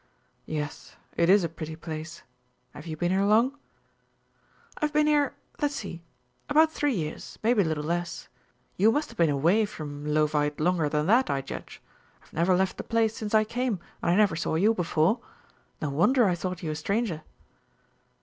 "Yes, it is a pretty place. Have you been here long?" "I've been here let's see. About three years maybe a little less. You must have been away from Leauvite longer than that, I judge. I've never left the place since I came and I never saw you before. No wonder I thought you a stranger."